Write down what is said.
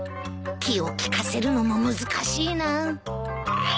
気を利かせるのも難しいなあ。